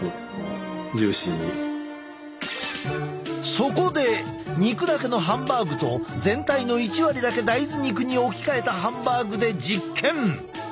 そこで肉だけのハンバーグと全体の１割だけ大豆肉に置き換えたハンバーグで実験！